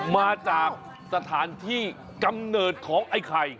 มาจากสถานที่กำเนิดของไอ้ไข่